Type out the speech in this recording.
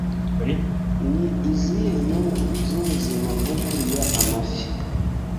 Ni izihe nyungu zubuzima bwo kurya amafi?